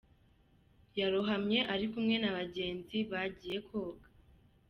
Yarohamye ari kumwe n’abagenzi bagiye koga.